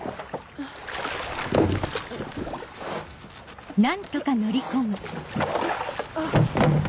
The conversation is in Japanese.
よっあっ。